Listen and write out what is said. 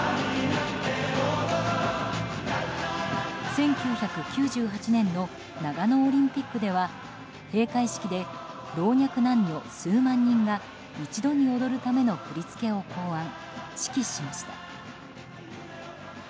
１９９８年の長野オリンピックでは閉会式で、老若男女数万人が一度に踊るための振り付けを考案・指揮しました。